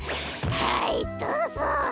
はいどうぞ！